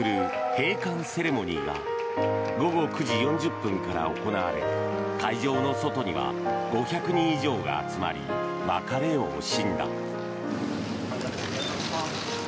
閉館セレモニーが午後９時４０分から行われ会場の外には５００人以上が集まり別れを惜しんだ。